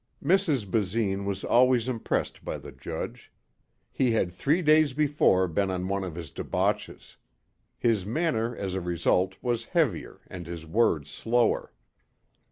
Mrs. Basine was always impressed by the judge. He had three days before been on one of his debauches. His manner as a result was heavier and his words slower.